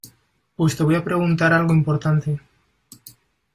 pues te voy a preguntar algo importante.